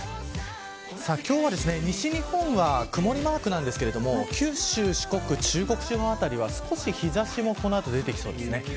今日は西日本は曇りマークなんですけど九州、四国、中国辺りはこの後、日差しも少し出てきそうです。